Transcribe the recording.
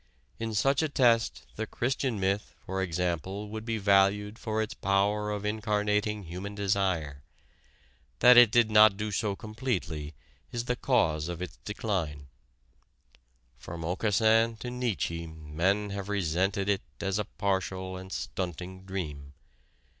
In such a test the Christian myth, for example, would be valued for its power of incarnating human desire. That it did not do so completely is the cause of its decline. From Aucassin to Nietzsche men have resented it as a partial and stunting dream.